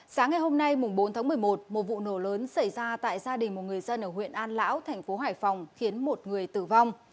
sáng ngày hôm nay bốn tháng một mươi một một vụ nổ lớn xảy ra tại gia đình một người dân ở huyện an lão thành phố hải phòng khiến một người tử vong